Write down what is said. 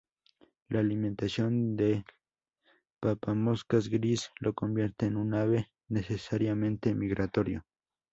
La alimentación del papamoscas gris, lo convierte en un ave necesariamente migratorio.